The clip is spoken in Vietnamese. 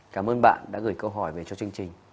cảm ơn bạn đã gửi câu hỏi về cho chương trình